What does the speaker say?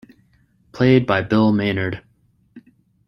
Played by Bill Maynard.